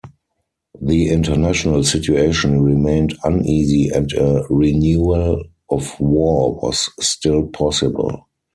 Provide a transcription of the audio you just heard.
The international situation remained uneasy and a renewal of war was still possible.